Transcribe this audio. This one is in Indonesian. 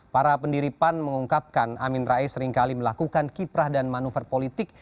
para pendiri pan mengungkapkan amin rais seringkali melakukan kiprah dan manuver politik